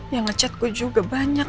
yang ngecet gue juga banyak